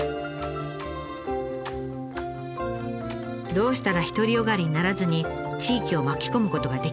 「どうしたら独りよがりにならずに地域を巻き込むことができるのか？」。